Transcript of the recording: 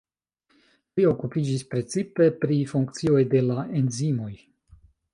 Li okupiĝis precipe pri funkcioj de la enzimoj.